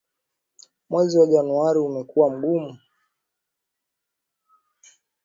Mwezi wa januari umekuwa mgumu